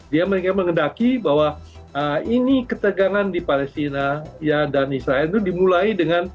dia mengendaki bahwa ini ketegangan di palestina dan israel itu dimulai dengan